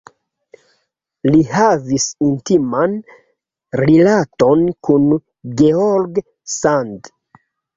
Li havis intiman rilaton kun George Sand.